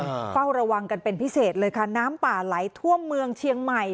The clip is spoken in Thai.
เฝ้าระวังกันเป็นพิเศษเลยค่ะน้ำป่าไหลท่วมเมืองเชียงใหม่